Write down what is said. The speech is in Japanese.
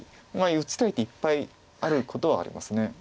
打ちたい手いっぱいあることはあります。